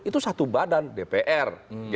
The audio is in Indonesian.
itu satu badan dpr